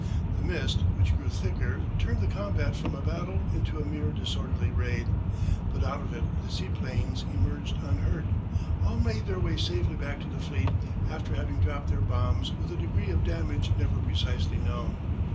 The mist, which grew thicker, turned the combat from a battle into a mere disorderly raid, but out of it the seaplanes emerged unhurt. All made their way safely back to the fleet, after having dropped their bombs with a degree of damage never precisely known.